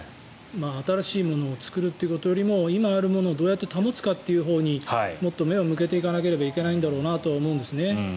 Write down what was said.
新しいものを作るより今あるものをどうやって保つかというほうにもっと目を向けていかなければいけないだろうなと思うんです。